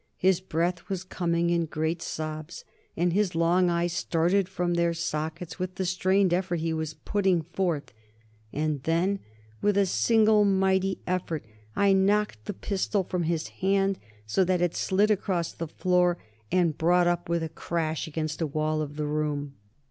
His breath was coming in great sobs, and his long eyes started from their sockets with the strained effort he was putting forth. And then, with a single mighty effort, I knocked the pistol from his hand, so that it slid across the floor and brought up with a crash against a wall of the room.